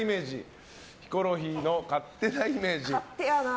ヒコロヒーの勝手なイメージ。